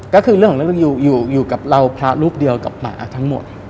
ก็คือเรื่องของเรื่องอยู่กับเราพระรูปเดียวกับหมาทั้งหมด